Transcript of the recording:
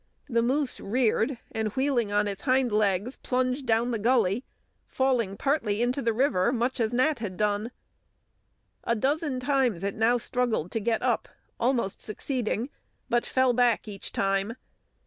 The moose reared, and wheeling on its hind legs, plunged down the gully, falling partly into the river, much as Nat had done. A dozen times it now struggled to get up, almost succeeding, but fell back each time.